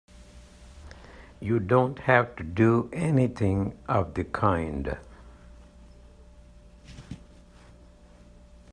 You don't have to do anything of the kind!